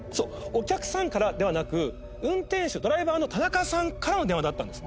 お客さんからではなく運転手ドライバーの田中さんからの電話だったんです。